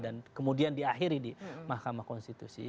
dan kemudian diakhiri di mahkamah konstitusi